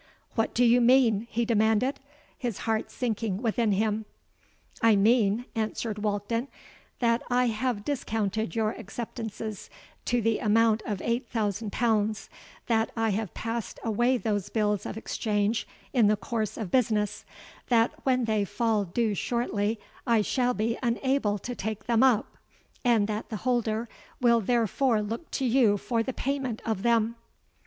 —'What do you mean?' he demanded, his heart sinking within him.—'I mean,' answered Walkden, 'that I have discounted your acceptances to the amount of eight thousand pounds; that I have passed away those bills of exchange in the course of business; that when they fall due shortly, I shall be unable to take them up; and that the holder will therefore look to you for the payment of them?'